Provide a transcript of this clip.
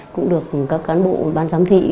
cũng được các cán bộ bán giám thị